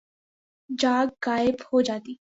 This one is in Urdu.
جھاگ غائب ہو جاتی